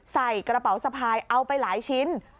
ใส่กระเป๋าสะพายเอาไปหลายชิ้น